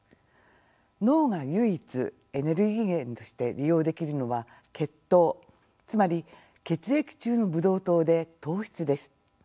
脳が唯一エネルギー源として利用できるのは血糖つまり血液中のブドウ糖で糖質です。